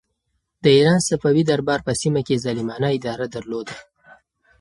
د ایران صفوي دربار په سیمه کې ظالمانه اداره درلوده.